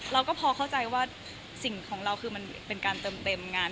เราก็พอเข้าใจว่าสิ่งของเราคือมันเป็นการเติมเต็มงาน